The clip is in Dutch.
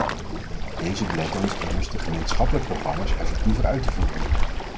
Deze beletten ons immers de gemeenschapsprogramma’s effectiever uit te voeren.